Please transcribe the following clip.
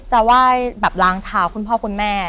จะไหว้แบบล้างเท้าคุณพ่อคุณแม่